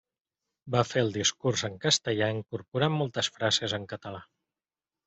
Va fer el discurs en castellà incorporant moltes frases en català.